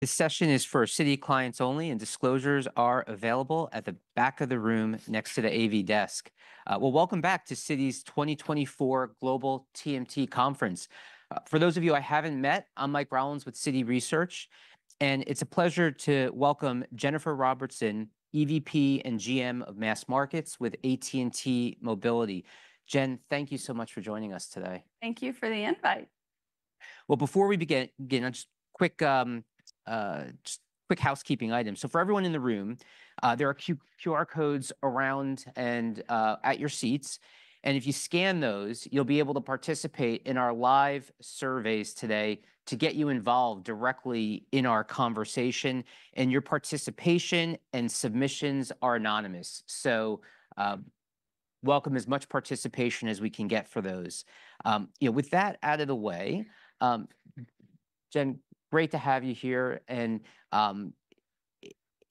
This session is for Citi clients only, and disclosures are available at the back of the room, next to the AV desk. Welcome back to Citi's 2024 Global TMT Conference. For those of you I haven't met, I'm Mike Rollins with Citi Research, and it's a pleasure to welcome Jenifer Robertson, EVP and General Manager of Mass Markets with AT&T Mobility. Jen, thank you so much for joining us today. Thank you for the invite. Well, before we begin, again, just quick housekeeping item. So for everyone in the room, there are QR codes around and at your seats, and if you scan those, you'll be able to participate in our live surveys today to get you involved directly in our conversation, and your participation and submissions are anonymous. So, welcome as much participation as we can get for those. You know, with that out of the way, Jen, great to have you here, and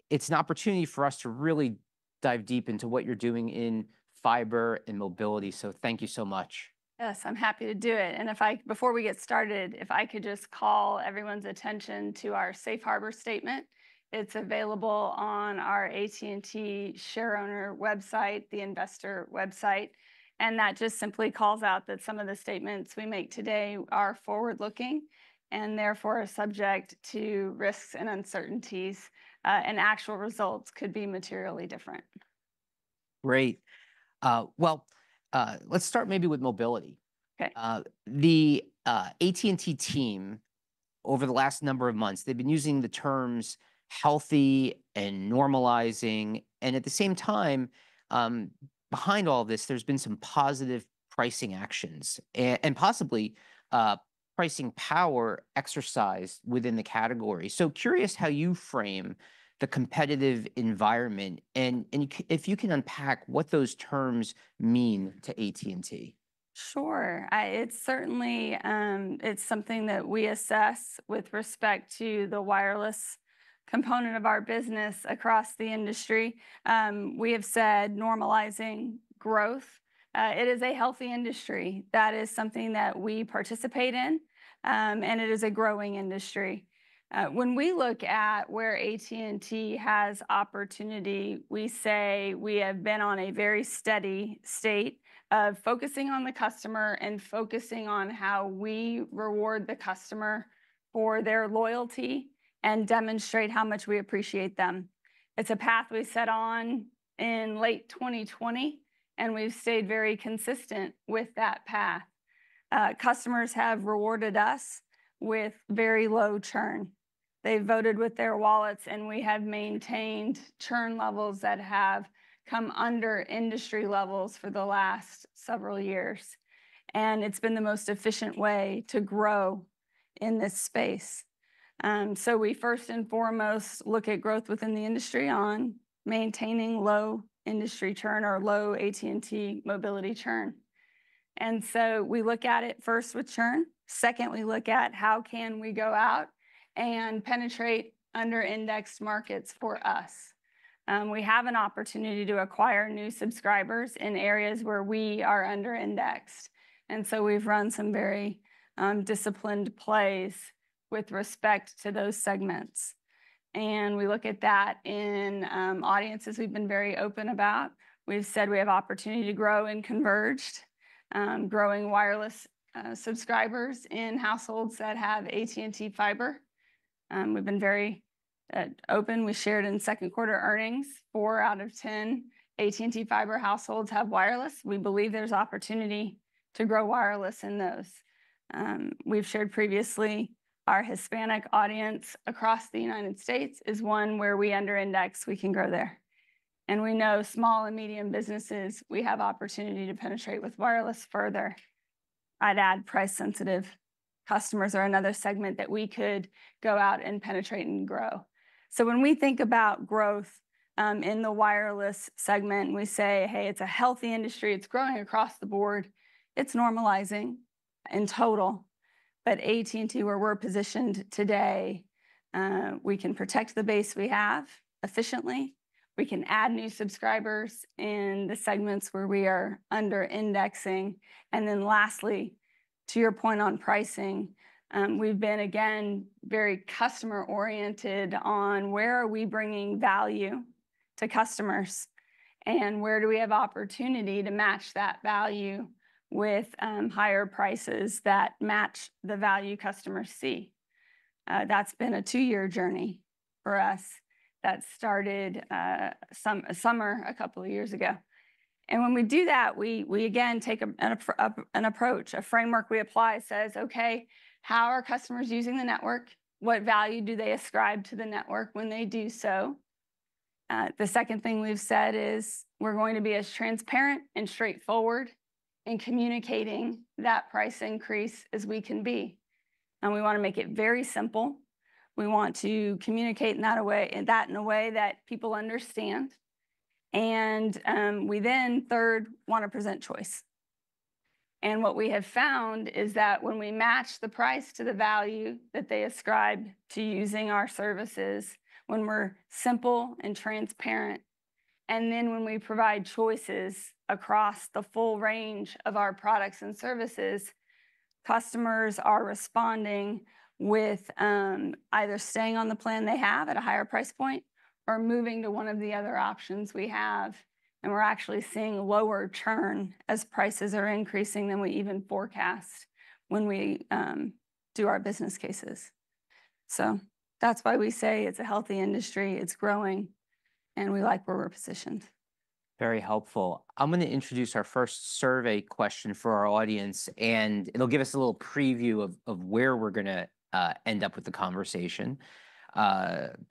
it's an opportunity for us to really dive deep into what you're doing in fiber and mobility, so thank you so much. Yes, I'm happy to do it. Before we get started, if I could just call everyone's attention to our Safe Harbor statement, it's available on our AT&T shareowner website, the investor website, and that just simply calls out that some of the statements we make today are forward-looking, and therefore are subject to risks and uncertainties, and actual results could be materially different. Great. Well, let's start maybe with mobility. Okay. The AT&T team, over the last number of months, they've been using the terms healthy and normalizing, and at the same time, behind all this, there's been some positive pricing actions and possibly pricing power exercised within the category. So curious how you frame the competitive environment, and if you can unpack what those terms mean to AT&T. Sure. It's certainly, it's something that we assess with respect to the wireless component of our business across the industry. We have said normalizing growth. It is a healthy industry. That is something that we participate in, and it is a growing industry. When we look at where AT&T has opportunity, we say we have been on a very steady state of focusing on the customer and focusing on how we reward the customer for their loyalty, and demonstrate how much we appreciate them. It's a path we set on in late 2020, and we've stayed very consistent with that path. Customers have rewarded us with very low churn. They've voted with their wallets, and we have maintained churn levels that have come under industry levels for the last several years, and it's been the most efficient way to grow in this space. So we first and foremost look at growth within the industry on maintaining low industry churn or low AT&T Mobility churn. And so we look at it first with churn. Second, we look at how can we go out and penetrate under-indexed markets for us? We have an opportunity to acquire new subscribers in areas where we are under-indexed, and so we've run some very, disciplined plays with respect to those segments. And we look at that in audiences we've been very open about. We've said we have opportunity to grow in converged, growing wireless, subscribers in households that have AT&T Fiber. We've been very, open, we shared in second quarter earnings, four out of ten AT&T Fiber households have wireless. We believe there's opportunity to grow wireless in those. We've shared previously, our Hispanic audience across the United States is one where we under index. We can grow there. And we know small and medium businesses, we have opportunity to penetrate with wireless further. I'd add price-sensitive customers are another segment that we could go out and penetrate and grow. So when we think about growth, in the wireless segment, and we say, "Hey, it's a healthy industry, it's growing across the board," it's normalizing in total. But AT&T, where we're positioned today, we can protect the base we have efficiently. We can add new subscribers in the segments where we are under indexing, and then lastly, to your point on pricing, we've been, again, very customer oriented on where are we bringing value to customers, and where do we have opportunity to match that value with higher prices that match the value customers see. That's been a two-year journey for us that started some summer a couple of years ago. When we do that, we again take an ARPU approach. A framework we apply says, "Okay, how are customers using the network? What value do they ascribe to the network when they do so?" The second thing we've said is, "We're going to be as transparent and straightforward in communicating that price increase as we can be," and we wanna make it very simple. We want to communicate in a way that people understand, and we then, third, wanna present choice. And what we have found is that when we match the price to the value that they ascribe to using our services, when we're simple and transparent and then when we provide choices across the full range of our products and services, customers are responding with either staying on the plan they have at a higher price point or moving to one of the other options we have. We're actually seeing lower churn as prices are increasing than we even forecast when we do our business cases. That's why we say it's a healthy industry, it's growing, and we like where we're positioned. Very helpful. I'm gonna introduce our first survey question for our audience, and it'll give us a little preview of where we're gonna end up with the conversation. Just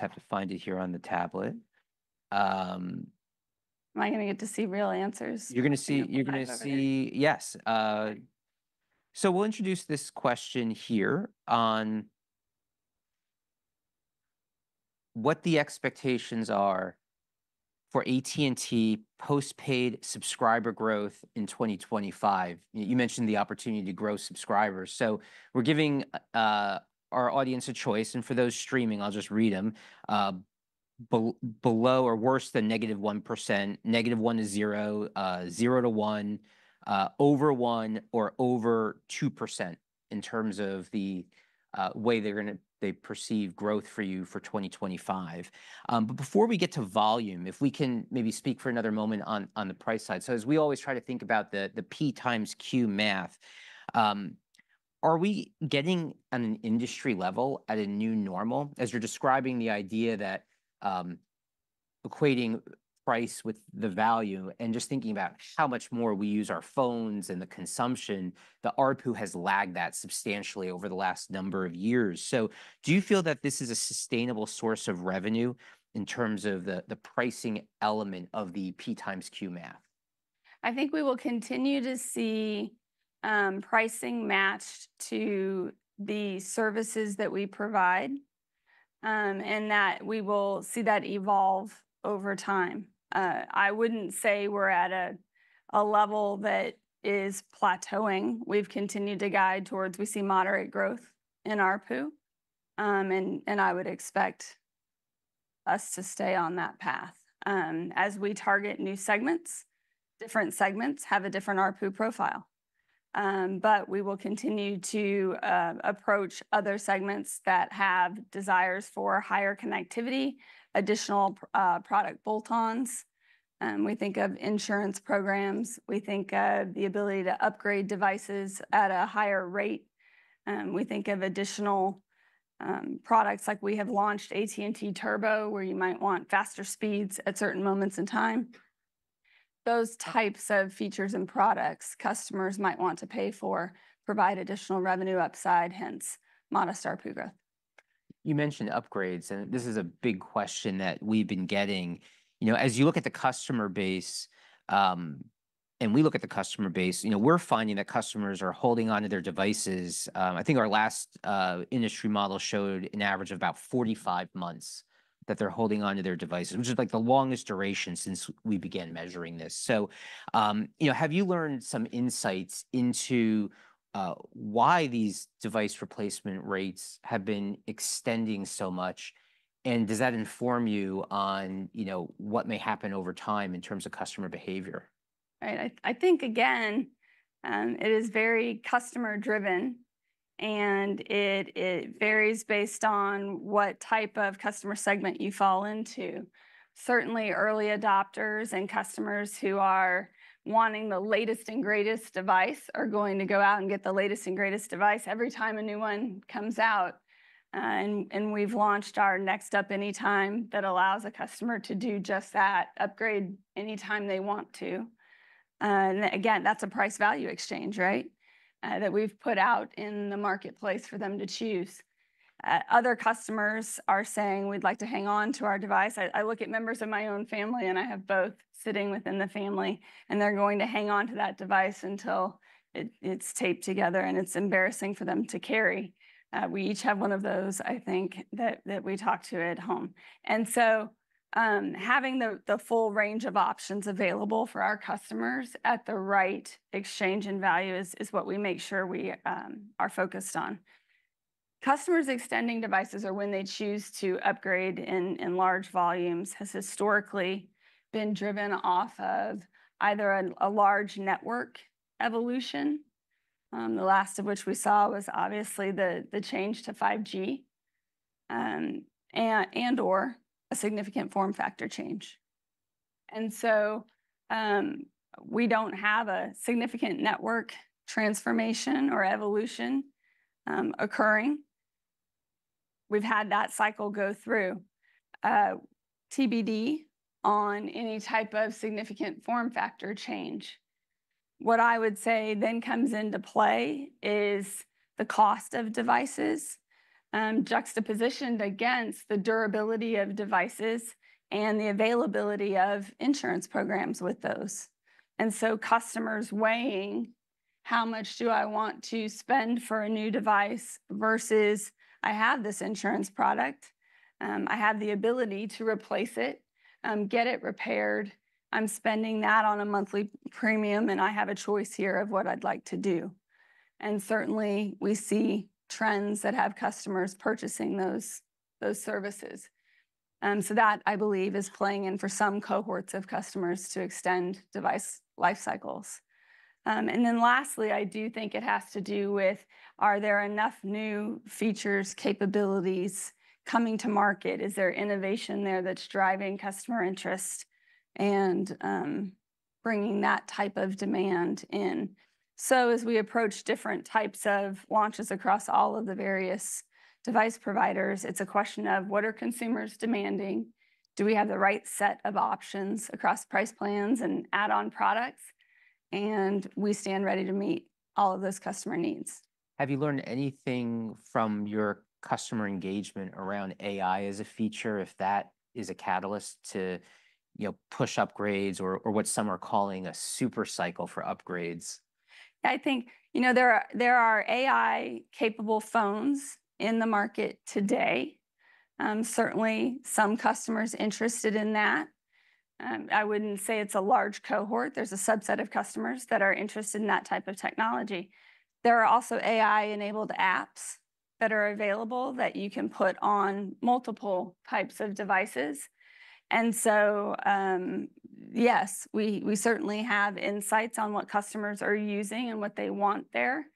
have to find it here on the tablet. Am I gonna get to see real answers? You're gonna see-... over there. You're gonna see... Yes, so we'll introduce this question here on what the expectations are for AT&T postpaid subscriber growth in 2025. You mentioned the opportunity to grow subscribers, so we're giving our audience a choice, and for those streaming, I'll just read them. Below or worse than -1%, -1% to 0%, 0% to 1%, over 1%, or over 2% in terms of the way they perceive growth for you for 2025. But before we get to volume, if we can maybe speak for another moment on the price side, as we always try to think about the P times Q math, are we getting at an industry level at a new normal? As you're describing the idea that, equating price with the value and just thinking about how much more we use our phones and the consumption, the ARPU has lagged that substantially over the last number of years. So do you feel that this is a sustainable source of revenue in terms of the, the pricing element of the P times Q math? I think we will continue to see, pricing matched to the services that we provide, and that we will see that evolve over time. I wouldn't say we're at a level that is plateauing. We've continued to guide towards... We see moderate growth in ARPU, and I would expect us to stay on that path. As we target new segments, different segments have a different ARPU profile. But we will continue to approach other segments that have desires for higher connectivity, additional product bolt-ons. We think of insurance programs. We think of the ability to upgrade devices at a higher rate. We think of additional products, like we have launched AT&T Turbo, where you might want faster speeds at certain moments in time. Those types of features and products customers might want to pay for provide additional revenue upside, hence modest ARPU growth. You mentioned upgrades, and this is a big question that we've been getting. You know, as you look at the customer base, and we look at the customer base, you know, we're finding that customers are holding onto their devices... I think our last industry model showed an average of about forty-five months that they're holding onto their devices, which is, like, the longest duration since we began measuring this. So, you know, have you learned some insights into, why these device replacement rates have been extending so much, and does that inform you on, you know, what may happen over time in terms of customer behavior? Right. I think, again, it is very customer driven, and it varies based on what type of customer segment you fall into. Certainly, early adopters and customers who are wanting the latest and greatest device are going to go out and get the latest and greatest device every time a new one comes out. And we've launched our Next Up Anytime that allows a customer to do just that, upgrade anytime they want to. And again, that's a price-value exchange, right, that we've put out in the marketplace for them to choose. Other customers are saying, "We'd like to hang on to our device." I look at members of my own family, and I have both sitting within the family, and they're going to hang on to that device until it's taped together, and it's embarrassing for them to carry. We each have one of those, I think, that we talk to at home. And so, having the full range of options available for our customers at the right exchange in value is what we make sure we are focused on. Customers extending devices or when they choose to upgrade in large volumes has historically been driven off of either a large network evolution, the last of which we saw was obviously the change to 5G, and/or a significant form factor change. And so, we don't have a significant network transformation or evolution occurring. We've had that cycle go through. TBD on any type of significant form factor change. What I would say then comes into play is the cost of devices, juxtaposed against the durability of devices and the availability of insurance programs with those. And so customers weighing, "How much do I want to spend for a new device?" versus, "I have this insurance product. I have the ability to replace it, get it repaired. I'm spending that on a monthly premium, and I have a choice here of what I'd like to do."... and certainly we see trends that have customers purchasing those services. So that, I believe, is playing in for some cohorts of customers to extend device life cycles. And then lastly, I do think it has to do with, are there enough new features, capabilities coming to market? Is there innovation there that's driving customer interest and, bringing that type of demand in? So as we approach different types of launches across all of the various device providers, it's a question of: What are consumers demanding? Do we have the right set of options across price plans and add-on products? And we stand ready to meet all of those customer needs. Have you learned anything from your customer engagement around AI as a feature, if that is a catalyst to, you know, push upgrades or, or what some are calling a supercycle for upgrades? I think, you know, there are AI-capable phones in the market today. Certainly some customers interested in that. I wouldn't say it's a large cohort. There's a subset of customers that are interested in that type of technology. There are also AI-enabled apps that are available that you can put on multiple types of devices, and so, yes, we certainly have insights on what customers are using and what they want there.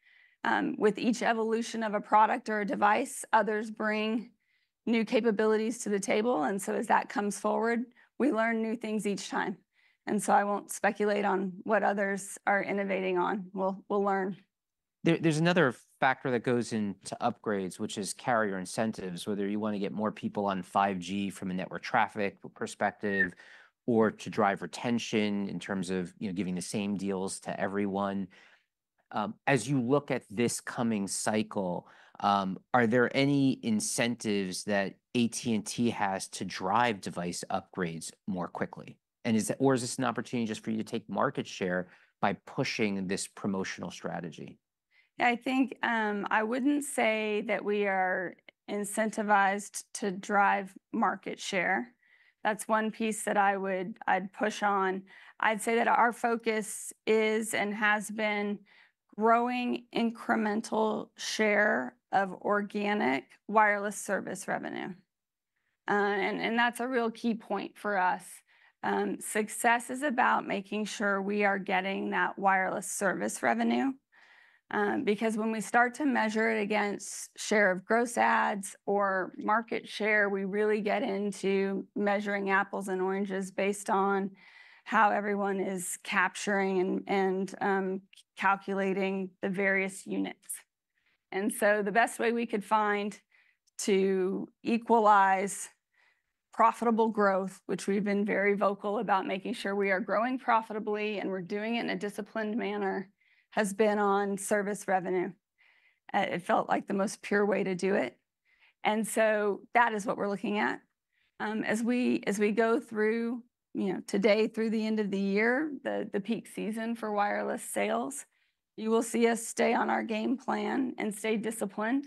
With each evolution of a product or a device, others bring new capabilities to the table, and so as that comes forward, we learn new things each time. So I won't speculate on what others are innovating on. We'll learn. There's another factor that goes into upgrades, which is carrier incentives, whether you wanna get more people on 5G from a network traffic perspective, or to drive retention in terms of, you know, giving the same deals to everyone. As you look at this coming cycle, are there any incentives that AT&T has to drive device upgrades more quickly? And is it... or is this an opportunity just for you to take market share by pushing this promotional strategy? I think, I wouldn't say that we are incentivized to drive market share. That's one piece that I would- I'd push on. I'd say that our focus is and has been growing incremental share of organic wireless service revenue, and that's a real key point for us. Success is about making sure we are getting that wireless service revenue, because when we start to measure it against share of gross adds or market share, we really get into measuring apples and oranges based on how everyone is capturing and calculating the various units. And so the best way we could find to equalize profitable growth, which we've been very vocal about making sure we are growing profitably, and we're doing it in a disciplined manner, has been on service revenue. It felt like the most pure way to do it, and so that is what we're looking at. As we go through, you know, today through the end of the year, the peak season for wireless sales, you will see us stay on our game plan and stay disciplined,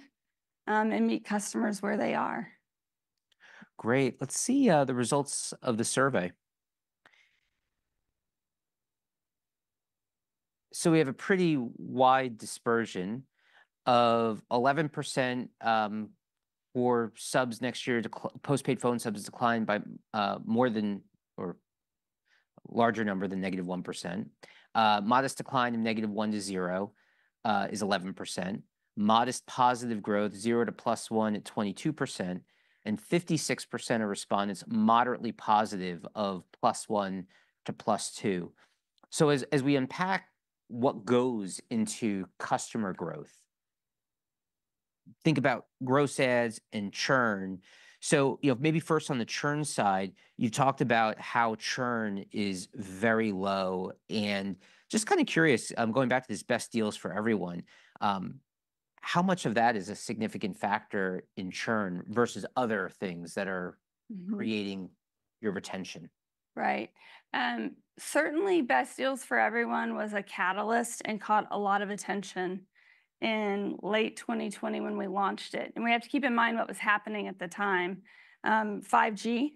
and meet customers where they are. Great. Let's see, the results of the survey. So we have a pretty wide dispersion of 11% for subs next year postpaid phone subs decline by more than or larger number than -1%. Modest decline of -1% to 0% is 11%. Modest positive growth, 0% to +1% at 22%, and 56% of respondents moderately positive of +1% to +2%. So as we unpack what goes into customer growth, think about gross adds and churn. So, you know, maybe first on the churn side, you talked about how churn is very low, and just kinda curious, I'm going back to this Best Deals for Everyone, how much of that is a significant factor in churn versus other things that are- Mm-hmm... creating your retention? Right. Certainly Best Deals for Everyone was a catalyst and caught a lot of attention in late 2020 when we launched it. We have to keep in mind what was happening at the time. 5G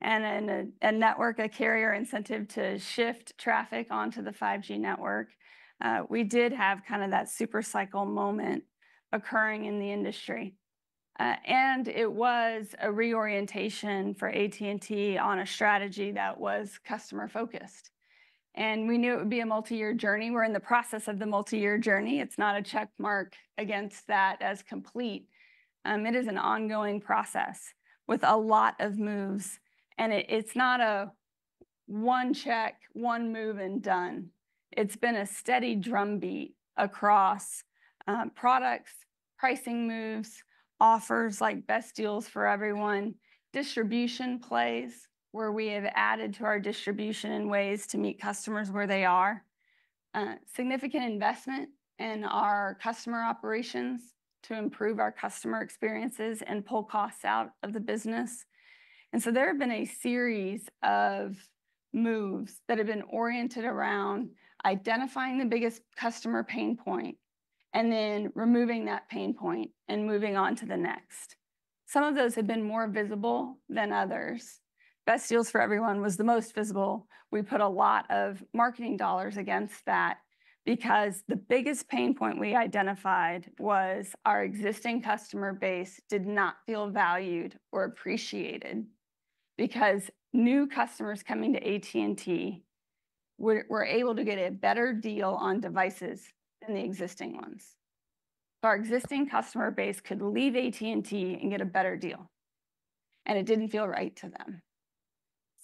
and a network, a carrier incentive to shift traffic onto the 5G network. We did have kinda that super cycle moment occurring in the industry, and it was a reorientation for AT&T on a strategy that was customer-focused, and we knew it would be a multi-year journey. We're in the process of the multi-year journey. It's not a check mark against that as complete. It is an ongoing process with a lot of moves, and it's not a one check, one move, and done. It's been a steady drumbeat across products, pricing moves, offers like Best Deals for Everyone, distribution plays, where we have added to our distribution in ways to meet customers where they are, significant investment in our customer operations to improve our customer experiences and pull costs out of the business. And so there have been a series of moves that have been oriented around identifying the biggest customer pain point, and then removing that pain point and moving on to the next. Some of those have been more visible than others. Best Deals for Everyone was the most visible. We put a lot of marketing dollars against that, because the biggest pain point we identified was our existing customer base did not feel valued or appreciated. Because new customers coming to AT&T were able to get a better deal on devices than the existing ones. Our existing customer base could leave AT&T and get a better deal, and it didn't feel right to them.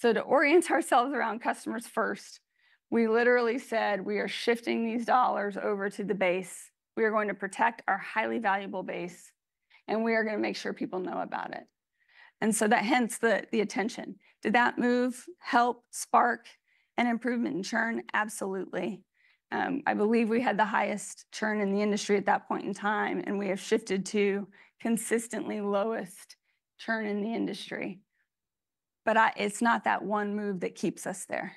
So to orient ourselves around customers first, we literally said, "We are shifting these dollars over to the base. We are going to protect our highly valuable base, and we are gonna make sure people know about it." And so that hence the attention. Did that move help spark an improvement in churn? Absolutely. I believe we had the highest churn in the industry at that point in time, and we have shifted to consistently lowest churn in the industry. But it's not that one move that keeps us there.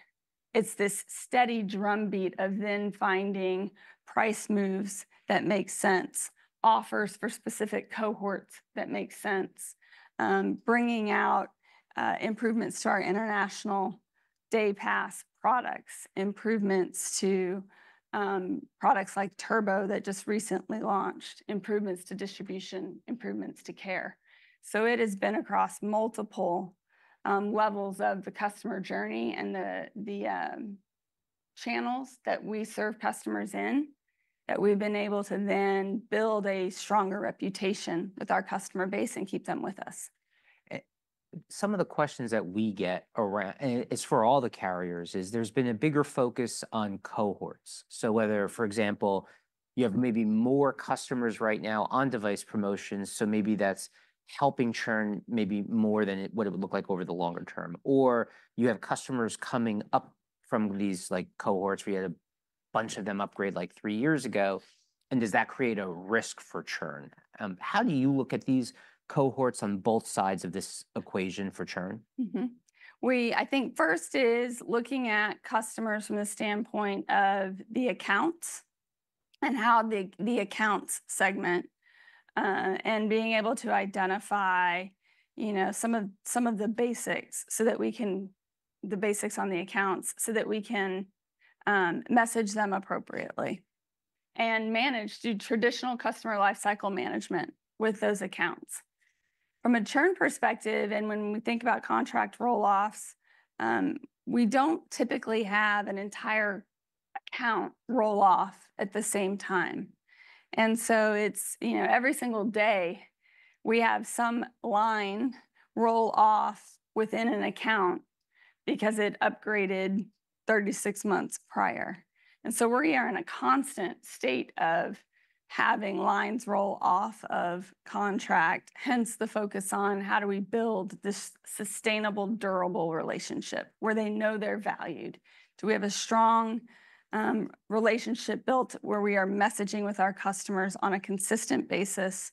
It's this steady drumbeat of then finding price moves that make sense, offers for specific cohorts that make sense, bringing out improvements to our International Day Pass products, improvements to products like Turbo that just recently launched, improvements to distribution, improvements to care. So it has been across multiple levels of the customer journey and the channels that we serve customers in, that we've been able to then build a stronger reputation with our customer base and keep them with us. Some of the questions that we get around... And it's for all the carriers, is there's been a bigger focus on cohorts. So whether, for example, you have maybe more customers right now on device promotions, so maybe that's helping churn maybe more than what it would look like over the longer term, or you have customers coming up from these, like, cohorts, we had a bunch of them upgrade, like, three years ago, and does that create a risk for churn? How do you look at these cohorts on both sides of this equation for churn? Mm-hmm. I think first is looking at customers from the standpoint of the accounts and how the accounts segment, and being able to identify, you know, some of the basics so that we can message them appropriately, and manage, do traditional customer lifecycle management with those accounts. From a churn perspective, and when we think about contract roll-offs, we don't typically have an entire account roll off at the same time. And so it's, you know, every single day, we have some line roll off within an account because it upgraded 36 months prior. And so we are in a constant state of having lines roll off of contract, hence the focus on: How do we build this sustainable, durable relationship where they know they're valued? Do we have a strong relationship built where we are messaging with our customers on a consistent basis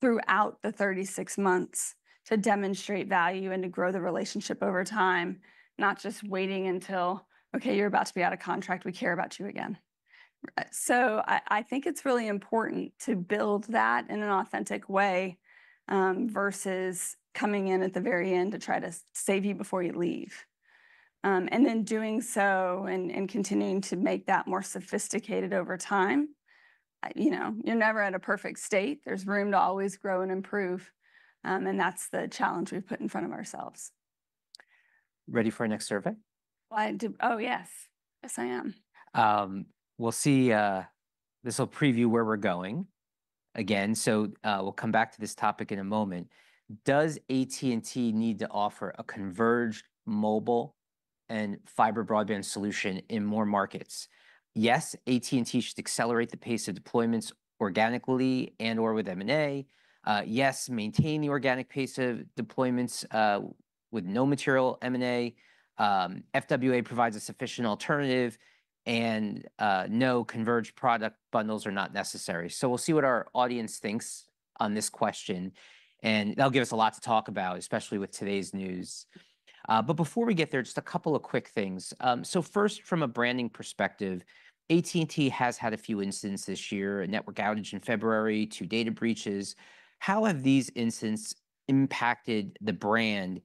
throughout the 36 months to demonstrate value and to grow the relationship over time, not just waiting until, "Okay, you're about to be out of contract, we care about you again"?" So I think it's really important to build that in an authentic way versus coming in at the very end to try to save you before you leave. And then doing so and continuing to make that more sophisticated over time. You know, you're never at a perfect state. There's room to always grow and improve, and that's the challenge we've put in front of ourselves. Ready for our next survey? Oh, yes. Yes, I am. We'll see. This will preview where we're going. Again, so we'll come back to this topic in a moment. Does AT&T need to offer a converged mobile and fiber broadband solution in more markets? Yes, AT&T should accelerate the pace of deployments organically and/or with M&A. Yes, maintain the organic pace of deployments with no material M&A. FWA provides a sufficient alternative, and no, converged product bundles are not necessary. So we'll see what our audience thinks on this question, and that'll give us a lot to talk about, especially with today's news. But before we get there, just a couple of quick things. So first, from a branding perspective, AT&T has had a few incidents this year, a network outage in February, two data breaches. How have these incidents impacted the brand,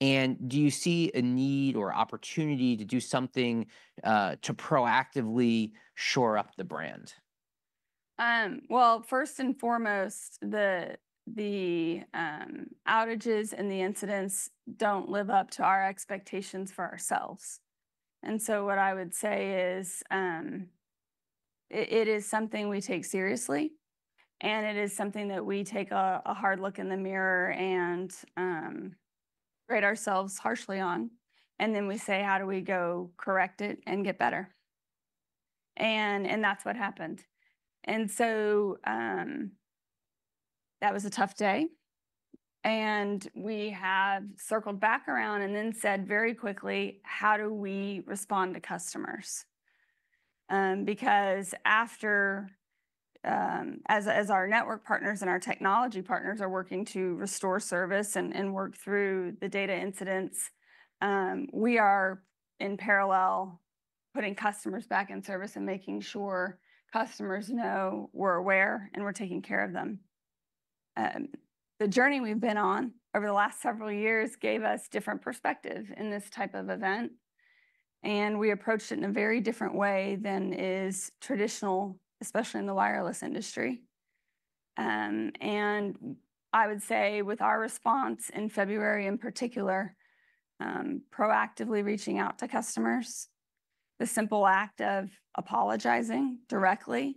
and do you see a need or opportunity to do something, to proactively shore up the brand? First and foremost, the outages and the incidents don't live up to our expectations for ourselves. And so what I would say is, it is something we take seriously, and it is something that we take a hard look in the mirror and grade ourselves harshly on, and then we say: How do we go correct it and get better? And that's what happened. And so, that was a tough day, and we have circled back around and then said very quickly: How do we respond to customers? Because after... As our network partners and our technology partners are working to restore service and work through the data incidents, we are in parallel putting customers back in service and making sure customers know we're aware and we're taking care of them. The journey we've been on over the last several years gave us different perspective in this type of event, and we approached it in a very different way than is traditional, especially in the wireless industry, and I would say with our response in February, in particular, proactively reaching out to customers, the simple act of apologizing directly,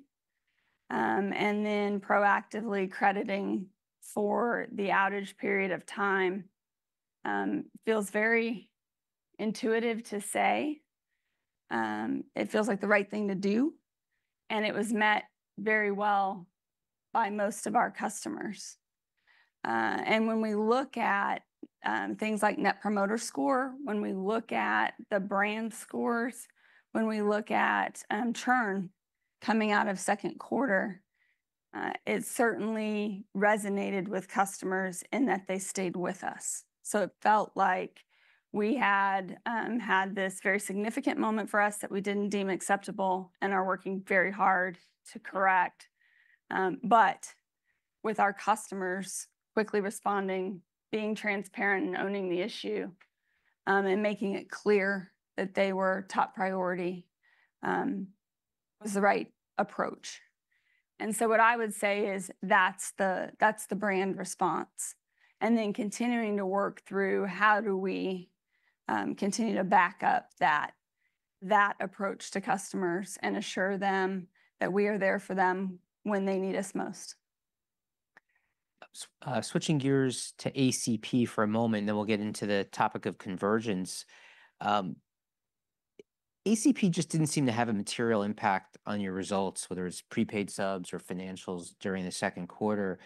and then proactively crediting for the outage period of time, feels very intuitive to say. It feels like the right thing to do, and it was met very well by most of our customers, and when we look at things like Net Promoter Score, when we look at the brand scores, when we look at churn coming out of second quarter, it certainly resonated with customers in that they stayed with us. So it felt like we had this very significant moment for us that we didn't deem acceptable and are working very hard to correct, but with our customers, quickly responding, being transparent, and owning the issue, and making it clear that they were top priority, was the right approach, and so what I would say is that's the brand response, and then continuing to work through how do we continue to back up that approach to customers and assure them that we are there for them when they need us most? Switching gears to ACP for a moment, then we'll get into the topic of convergence. ACP just didn't seem to have a material impact on your results, whether it's prepaid subs or financials during the second quarter.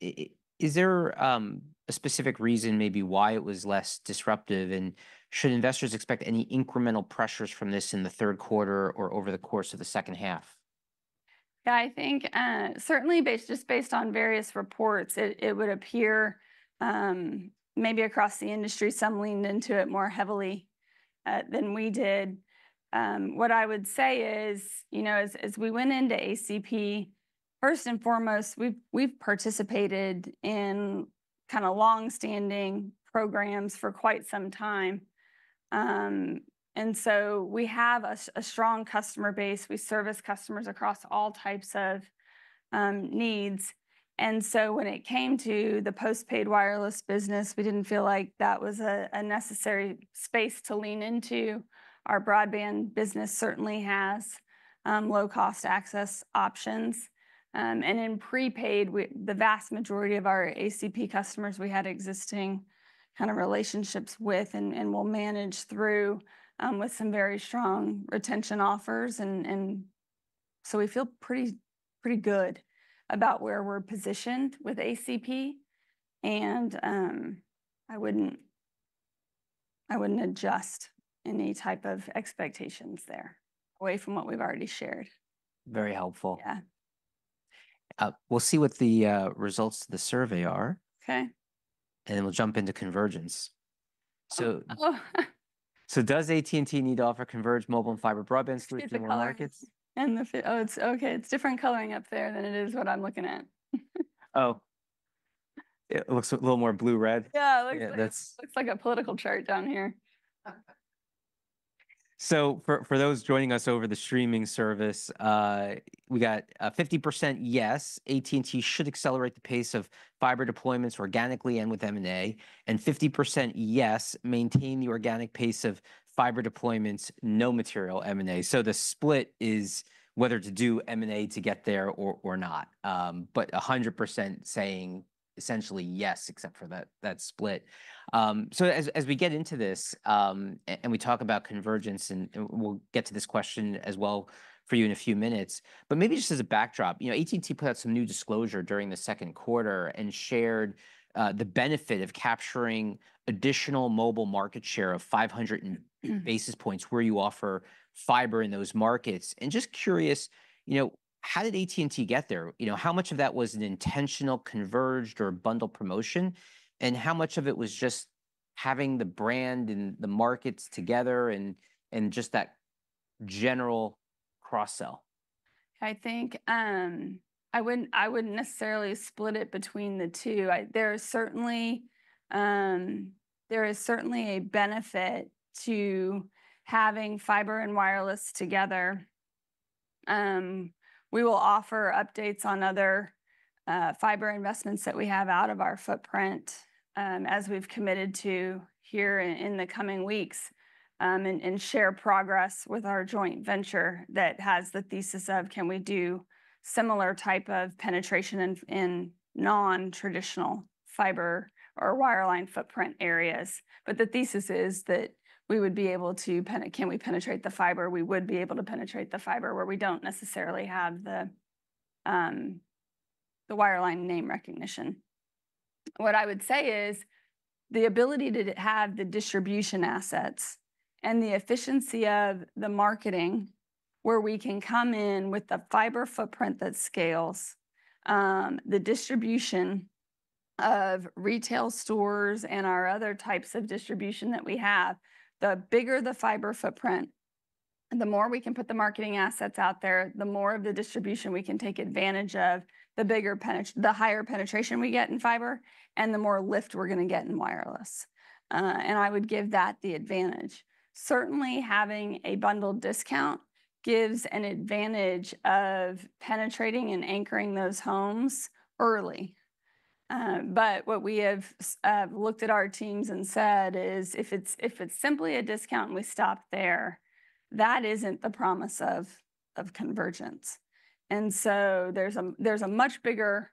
Is there a specific reason maybe why it was less disruptive, and should investors expect any incremental pressures from this in the third quarter or over the course of the second half? Yeah, I think, certainly based, just based on various reports, it, it would appear, maybe across the industry, some leaned into it more heavily, than we did. What I would say is, you know, as we went into ACP, first and foremost, we've participated in kinda long-standing programs for quite some time. And so we have a strong customer base. We service customers across all types of, needs, and so when it came to the postpaid wireless business, we didn't feel like that was a necessary space to lean into. Our broadband business certainly has, low-cost access options, and in prepaid, we the vast majority of our ACP customers, we had existing kinda relationships with and will manage through, with some very strong retention offers. We feel pretty good about where we're positioned with ACP, and I wouldn't adjust any type of expectations there away from what we've already shared. Very helpful. Yeah. We'll see what the results to the survey are. Okay. Then we'll jump into convergence. Oh. So does AT&T need to offer converged mobile and fiber broadband solutions in the markets? Different color. It's okay. It's different coloring up there than it is what I'm looking at. Oh, it looks a little more blue-red. Yeah, it looks like- Yeah, that's-... looks like a political chart down here. So for those joining us over the streaming service, we got a 50% yes, AT&T should accelerate the pace of fiber deployments organically and with M&A, and 50% yes, maintain the organic pace of fiber deployments, no material M&A. So the split is whether to do M&A to get there or not, but 100% saying essentially yes, except for that split. So as we get into this, and we talk about convergence, and we'll get to this question as well for you in a few minutes, but maybe just as a backdrop, you know, AT&T put out some new disclosure during the second quarter and shared the benefit of capturing additional mobile market share of 500 basis points where you offer fiber in those markets. And just curious, you know, how did AT&T get there? You know, how much of that was an intentional converged or bundled promotion, and how much of it was just having the brand and the markets together and just that general cross-sell? I think I wouldn't necessarily split it between the two. There is certainly a benefit to having fiber and wireless together. We will offer updates on other fiber investments that we have out of our footprint, as we've committed to here in the coming weeks, and share progress with our joint venture that has the thesis of: Can we do similar type of penetration in non-traditional fiber or wireline footprint areas? But the thesis is that we would be able to penetrate the fiber where we don't necessarily have the wireline name recognition. What I would say is the ability to have the distribution assets and the efficiency of the marketing, where we can come in with the fiber footprint that scales, the distribution of retail stores and our other types of distribution that we have. The bigger the fiber footprint, the more we can put the marketing assets out there, the more of the distribution we can take advantage of, the higher penetration we get in fiber, and the more lift we're gonna get in wireless, and I would give that the advantage. Certainly, having a bundled discount gives an advantage of penetrating and anchoring those homes early, but what we have said to our teams is, if it's simply a discount and we stop there, that isn't the promise of convergence. And so there's a much bigger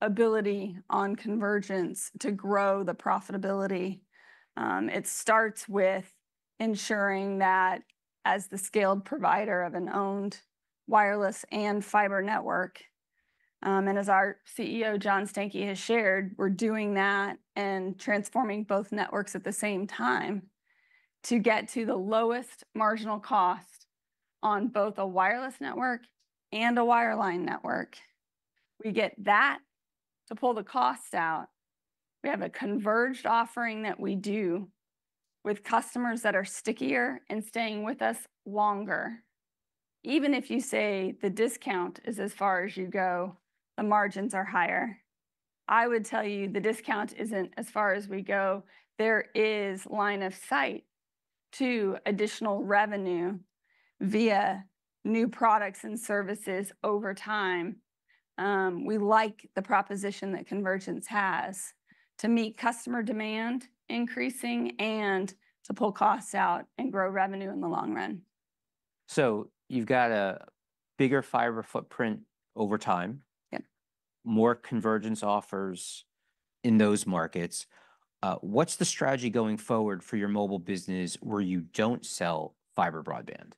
ability on convergence to grow the profitability. It starts with ensuring that as the scaled provider of an owned wireless and fiber network, and as our CEO, John Stankey, has shared, we're doing that and transforming both networks at the same time to get to the lowest marginal cost on both a wireless network and a wireline network. We get that to pull the costs out. We have a converged offering that we do with customers that are stickier and staying with us longer. Even if you say the discount is as far as you go, the margins are higher. I would tell you, the discount isn't as far as we go. There is line of sight to additional revenue via new products and services over time. We like the proposition that convergence has to meet customer demand increasing and to pull costs out and grow revenue in the long run. So you've got a bigger fiber footprint over time. Yeah... more convergence offers in those markets. What's the strategy going forward for your mobile business where you don't sell fiber broadband?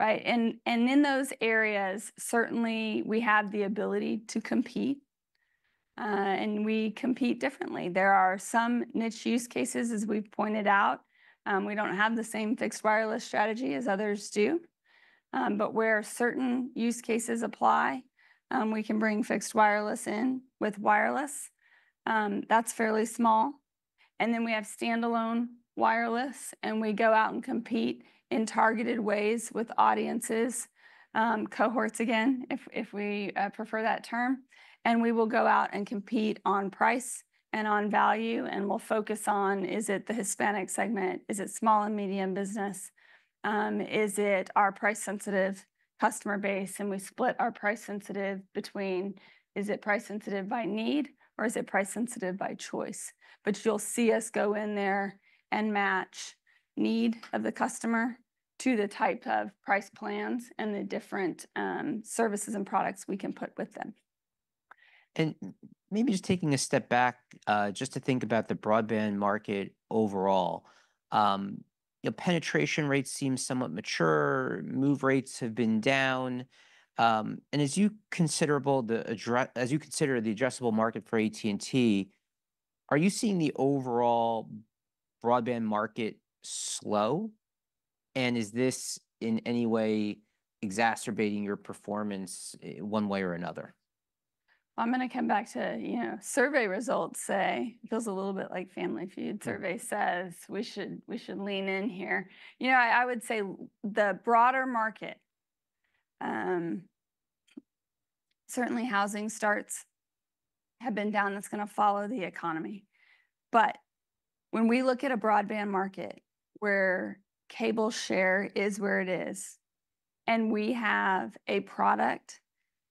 Right, and in those areas, certainly we have the ability to compete, and we compete differently. There are some niche use cases, as we've pointed out. We don't have the same fixed wireless strategy as others do, but where certain use cases apply, we can bring fixed wireless in with wireless. That's fairly small. And then we have standalone wireless, and we go out and compete in targeted ways with audiences, cohorts again, if we prefer that term, and we will go out and compete on price and on value, and we'll focus on: Is it the Hispanic segment? Is it small and medium business? Is it our price-sensitive customer base? And we split our price sensitive between is it price sensitive by need, or is it price sensitive by choice? But you'll see us go in there and match need of the customer to the type of price plans and the different services and products we can put with them. Maybe just taking a step back, just to think about the broadband market overall. You know, penetration rates seem somewhat mature, move rates have been down. And as you consider the addressable market for AT&T, are you seeing the overall broadband market slow? And is this in any way exacerbating your performance one way or another? I'm gonna come back to, you know, survey results say. It feels a little bit like Family Feud. Survey says we should lean in here. You know, I would say the broader market, certainly housing starts have been down. That's gonna follow the economy. But when we look at a broadband market where cable share is where it is, and we have a product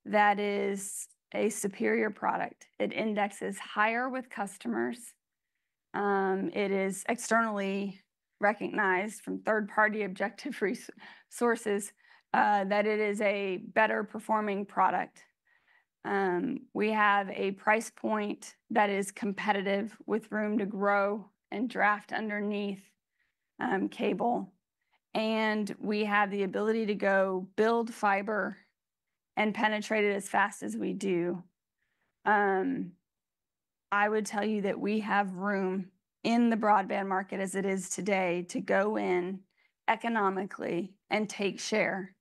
that is a superior product, it indexes higher with customers. It is externally recognized from third-party objective resources that it is a better-performing product. We have a price point that is competitive with room to grow and draft underneath cable, and we have the ability to go build fiber and penetrate it as fast as we do. I would tell you that we have room in the broadband market as it is today to go in economically and take share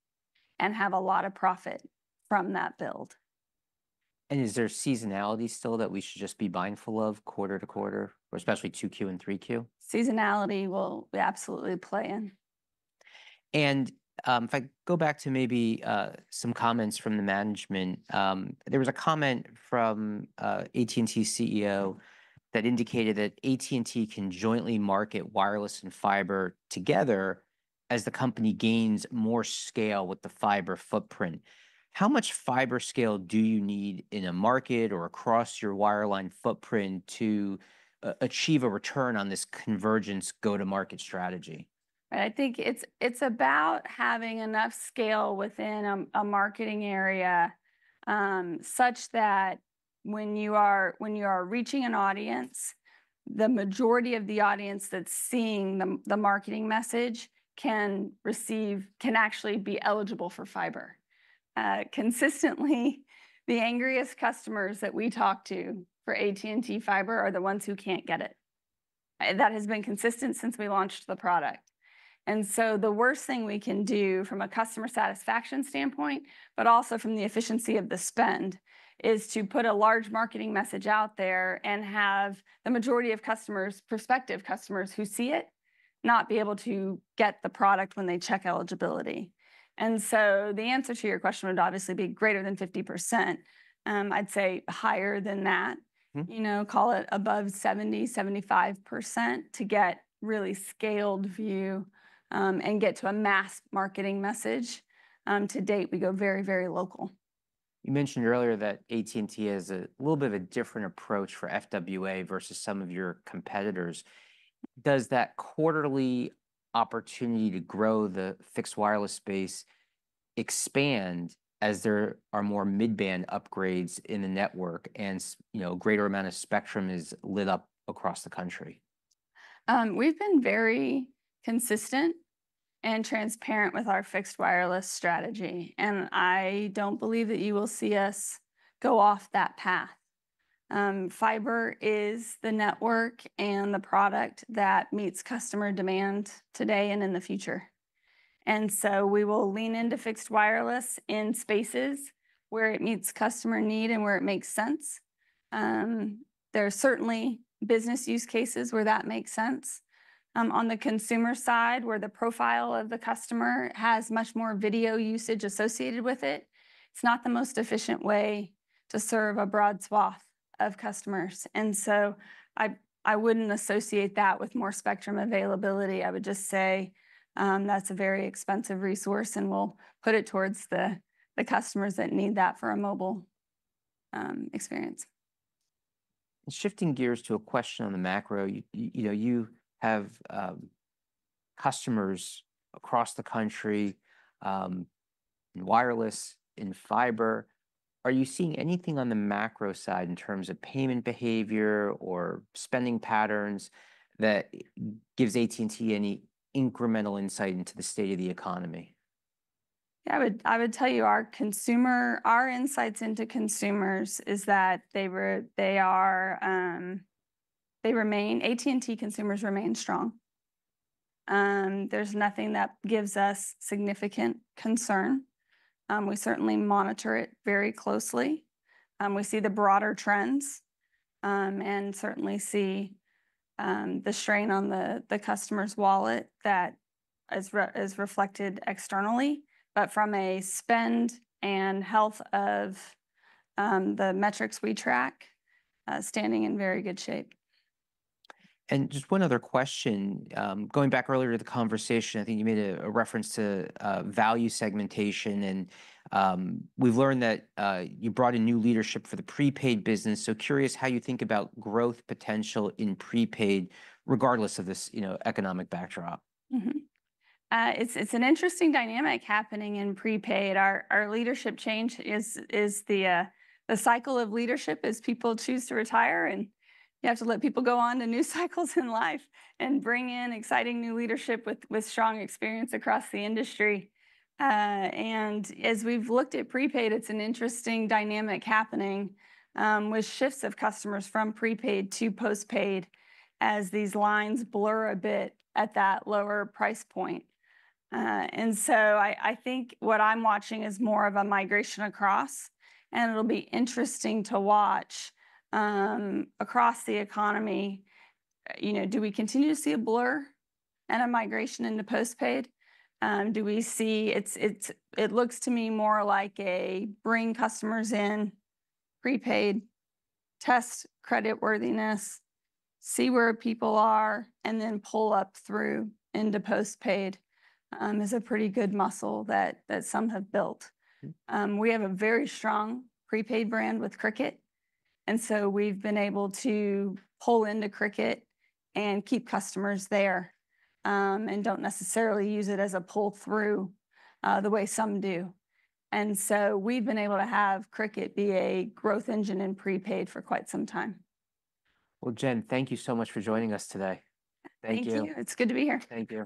and have a lot of profit from that build. Is there seasonality still that we should just be mindful of quarter to quarter, or especially 2Q and 3Q? Seasonality will absolutely play in. If I go back to maybe some comments from the management, there was a comment from AT&T CEO that indicated that AT&T can jointly market wireless and fiber together as the company gains more scale with the fiber footprint. How much fiber scale do you need in a market or across your wireline footprint to achieve a return on this convergence go-to-market strategy? I think it's about having enough scale within a marketing area such that when you are reaching an audience, the majority of the audience that's seeing the marketing message can actually be eligible for fiber. Consistently, the angriest customers that we talk to for AT&T Fiber are the ones who can't get it. That has been consistent since we launched the product. And so the worst thing we can do from a customer satisfaction standpoint, but also from the efficiency of the spend, is to put a large marketing message out there and have the majority of customers, prospective customers who see it, not be able to get the product when they check eligibility. And so the answer to your question would obviously be greater than 50%. I'd say higher than that. Mm-hmm. You know, call it above 70%-75% to get really scaled view, and get to a mass marketing message. To date, we go very, very local. You mentioned earlier that AT&T has a little bit of a different approach for FWA versus some of your competitors. Does that quarterly opportunity to grow the fixed wireless space expand as there are more mid-band upgrades in the network and you know, a greater amount of spectrum is lit up across the country? We've been very consistent and transparent with our fixed wireless strategy, and I don't believe that you will see us go off that path. Fiber is the network and the product that meets customer demand today and in the future, and so we will lean into fixed wireless in spaces where it meets customer need and where it makes sense. There are certainly business use cases where that makes sense. On the consumer side, where the profile of the customer has much more video usage associated with it, it's not the most efficient way to serve a broad swath of customers, and so I wouldn't associate that with more spectrum availability. I would just say, that's a very expensive resource, and we'll put it towards the customers that need that for a mobile experience. Shifting gears to a question on the macro, you know, you have customers across the country in wireless, in fiber. Are you seeing anything on the macro side in terms of payment behavior or spending patterns that gives AT&T any incremental insight into the state of the economy? Yeah, I would tell you, our consumer. Our insights into consumers is that they are, they remain, AT&T consumers remain strong. There's nothing that gives us significant concern. We certainly monitor it very closely. We see the broader trends, and certainly see the strain on the customer's wallet that is reflected externally, but from a spend and health of the metrics we track, standing in very good shape. And just one other question. Going back earlier to the conversation, I think you made a reference to value segmentation, and we've learned that you brought in new leadership for the prepaid business, so curious how you think about growth potential in prepaid, regardless of this, you know, economic backdrop. Mm-hmm. It's an interesting dynamic happening in prepaid. Our leadership change is the cycle of leadership as people choose to retire, and you have to let people go on to new cycles in life and bring in exciting new leadership with strong experience across the industry, and as we've looked at prepaid, it's an interesting dynamic happening with shifts of customers from prepaid to postpaid as these lines blur a bit at that lower price point, and so I think what I'm watching is more of a migration across, and it'll be interesting to watch across the economy. You know, do we continue to see a blur and a migration into postpaid? Do we see... It looks to me more like a bring customers in prepaid, test creditworthiness, see where people are, and then pull up through into postpaid is a pretty good muscle that some have built. Mm. We have a very strong prepaid brand with Cricket, and so we've been able to pull into Cricket and keep customers there, and don't necessarily use it as a pull-through, the way some do. And so we've been able to have Cricket be a growth engine in prepaid for quite some time. Jen, thank you so much for joining us today. Thank you. Thank you. It's good to be here. Thank you.